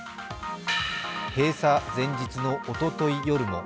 閉鎖前日のおととい夜も